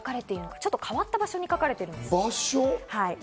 ちょっと変わったところに描かれているんです。